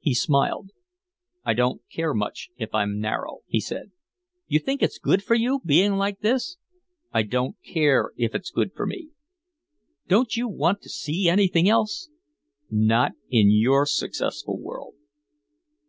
He smiled. "I don't care much if I'm narrow," he said. "You think it's good for you, being like this?" "I don't care if it's good for me." "Don't you want to see anything else?" "Not in your successful world."